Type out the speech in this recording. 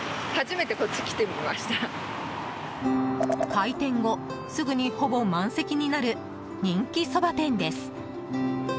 開店後、すぐにほぼ満席になる人気そば店です。